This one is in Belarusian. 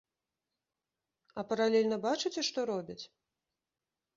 А паралельна бачыце, што робяць!?